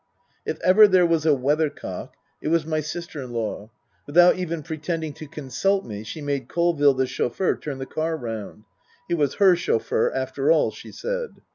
If ever there was a weathercock it was my sister in law. Without even pretending to consult me, she made Colville, the chauffeur, turn the car round. (He was her chauffeur, after all, she said.)